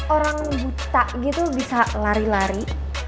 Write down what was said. orang buta gitu bisa lari lari